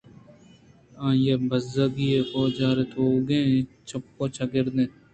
آئی ءِ بزّگی ءِ گوٛاجار تیوگیں چپءُچاگرد اَت